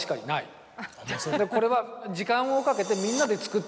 これは。